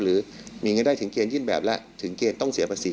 หรือมีเงินได้ถึงเกณฑ์ยื่นแบบแล้วถึงเกณฑ์ต้องเสียภาษี